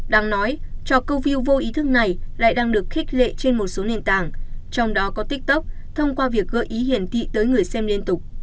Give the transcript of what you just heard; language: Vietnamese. đáng nói cho câu view vô ý thức này lại đang được khích lệ trên một số nền tảng trong đó có tiktok thông qua việc gợi ý hiển thị tới người xem liên tục